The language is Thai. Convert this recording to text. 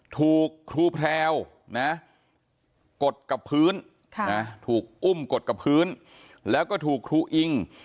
ถูกครูแพรวนะกดกับพื้นถูกอุ้มกดกับพื้นแล้วก็ถูกครูอิง